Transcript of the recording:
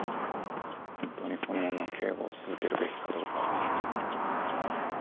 本当にこのまま警護を続けるべきかどうか。